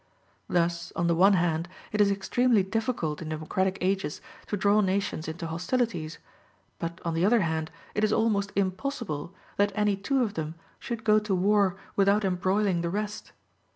Thus, on the one hand, it is extremely difficult in democratic ages to draw nations into hostilities; but on the other hand, it is almost impossible that any two of them should go to war without embroiling the rest.